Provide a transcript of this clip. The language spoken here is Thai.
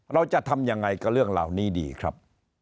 เราจะทำยังไงกับเรื่องเหล่านี้ดีครับ